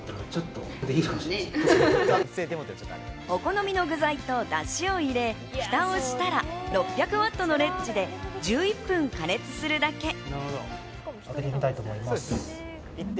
お好みの具材とだしを入れ、フタをしたら、６００ワットのレンジで１１分加熱するだけ。